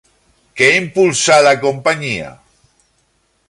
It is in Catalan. Què impulsà la companyia?